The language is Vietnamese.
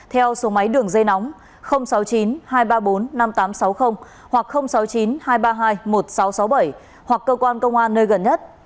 theo số máy đường dây nóng sáu mươi chín hai trăm ba mươi bốn năm nghìn tám trăm sáu mươi hoặc sáu mươi chín hai trăm ba mươi hai một nghìn sáu trăm sáu mươi bảy hoặc cơ quan công an nơi gần nhất